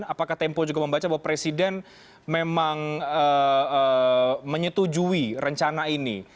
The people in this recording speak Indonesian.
apakah tempo juga membaca bahwa presiden memang menyetujui rencana ini